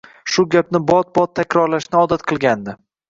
Shu gapni bot-bot takrorlashni odat qilgandi.